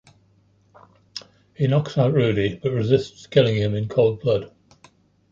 He knocks out Rudy but resists killing him in cold blood.